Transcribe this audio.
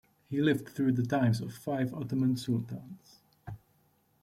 He lived through the times of five Ottoman Sultans.